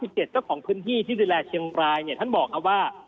เจ้าของพื้นที่ที่ศิลาเชียงรายท่านบอกว่า